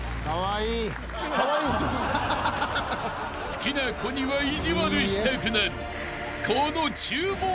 ［好きな子には意地悪したくなる］